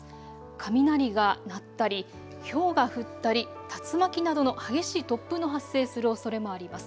雷が鳴ったり、ひょうが降ったり竜巻などの激しい突風の発生するおそれもあります。